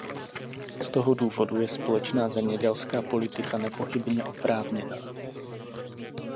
Z toho důvodu je společná zemědělská politika nepochybně oprávněná.